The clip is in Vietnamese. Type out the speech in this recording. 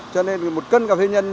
cho nên một cân cà phê nhân